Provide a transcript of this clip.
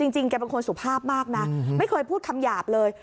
จริงแกเป็นคนสุภาพมากนะไม่เคยพูดคำหยาบเลย